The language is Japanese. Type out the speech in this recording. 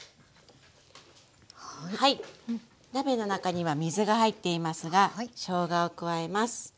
鍋の中には水が入っていますがしょうがを加えます。